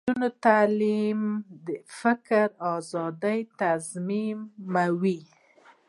د نجونو تعلیم د فکر ازادي تضمینوي.